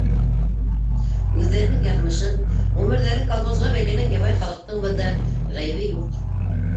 Үҙҙәренең яҙмышын, ғүмерҙәрен колхозға бәйләгән ябай халыҡтың бында ғәйебе юҡ.